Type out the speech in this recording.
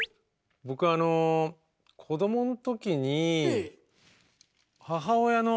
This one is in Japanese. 僕はあの子どもの時に母親の。